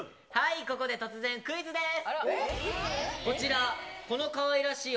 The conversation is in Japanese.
ここで突然クイズです。